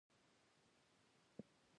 چپتیا، د روح هوساینه ده.